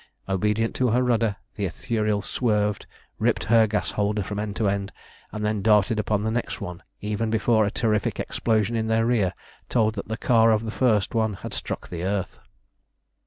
Obedient to her rudder the Ithuriel swerved, ripped her gas holder from end to end, and then darted upon the next one even before a terrific explosion in their rear told that the car of the first one had struck the earth.